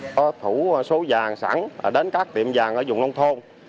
có thủ số vàng sẵn đến các tiệm vàng ở dùng nông thôn